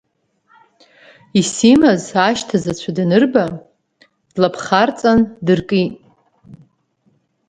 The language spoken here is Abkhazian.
Исимаз ашьҭазацә данырба, длаԥхарҵан дыркит.